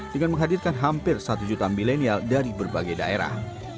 dengan menghadirkan hampir satu juta milenial dari berbagai daerah